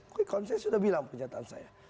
kok ini konsen sudah bilang kenyataan saya